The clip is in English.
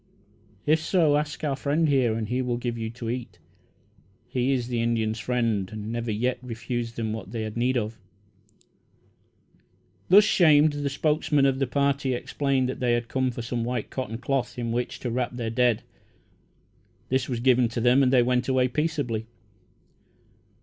If so, ask our friend here and he will give you to eat. He is the Indians' friend, and never yet refused them what they had need of." Thus shamed, the spokesman of the party explained that they had come for some white cotton cloth in which to wrap their dead. This was given them and they went away peaceably.